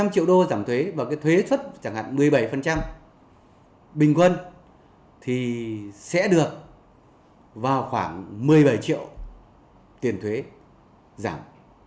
một mươi triệu đô giảm thuế và cái thuế xuất chẳng hạn một mươi bảy bình quân thì sẽ được vào khoảng một mươi bảy triệu tiền thuế giảm